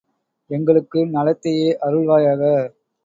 எங்களுக்கு நலத்தையே அருள்வாயாக!